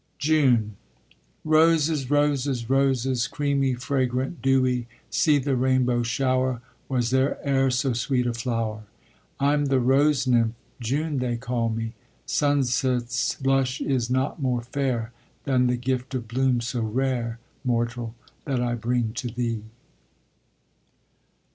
JUNE Roses, roses, roses, Creamy, fragrant, dewy! See the rainbow shower! Was there e'er so sweet a flower? I'm the rose nymph, June they call me. Sunset's blush is not more fair Than the gift of bloom so rare, Mortal, that I bring to thee!